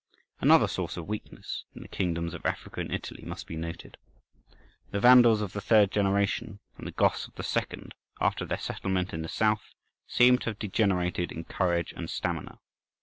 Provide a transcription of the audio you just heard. Another source of weakness in the kingdoms of Africa and Italy must be noted. The Vandals of the third generation and the Goths of the second, after their settlement in the south, seem to have degenerated in courage and stamina.